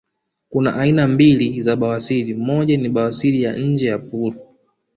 kuna aina mbili za bawasiri moja ni bawasiri ya nje ya puru